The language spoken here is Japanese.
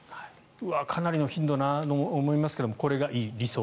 かなりの頻度だと思いますがこれがいい、理想。